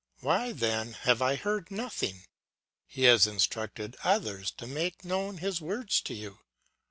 Why then have I heard nothing? He has instructed others to make known his words to you.